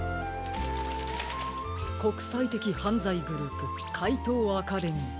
「こくさいてきはんざいグループかいとうアカデミー」。